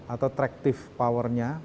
atau traktif powernya